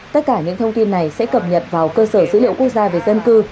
tất cả những thông tin này sẽ cập nhật vào cơ sở dữ liệu quốc gia về dân cư